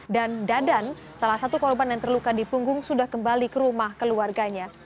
dan dadan salah satu korban yang terluka di punggung sudah kembali ke rumah keluarganya